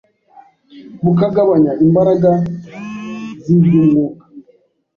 bukagabanya imbaraga z’iby’umwuka…